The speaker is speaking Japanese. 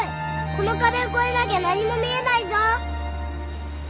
この壁を越えなきゃ何も見えないぞ。